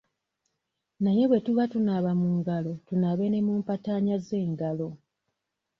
Naye bwe tuba tunaaba mu ngalo tunaabe ne mu mpataanya z'engalo.